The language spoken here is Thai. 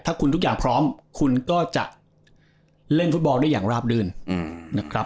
ถ้าคุณทุกอย่างพร้อมคุณก็จะเล่นฟุตบอลได้อย่างราบรื่นนะครับ